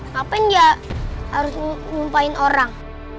ngapain ya harus ngumpain orang